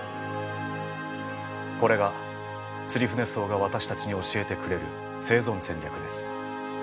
これがツリフネソウが私たちに教えてくれる生存戦略です。